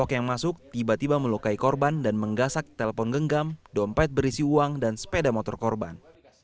yang masuk tiba tiba melukai korban dan menggasak telpon genggam dompet berisi uang dan sepeda motor korban